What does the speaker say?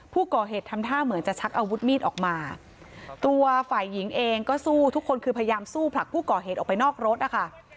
ผู้ก่อเหตุทำท่าเหมือนจะชักอาวุธมีดออกมาตัวฝ่ายหญิงเองก็สู้ทุกคนคือพยายามสู้ผลักผู้ก่อเหตุออกไปนอกรถนะคะ